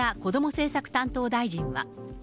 政策担当大臣は。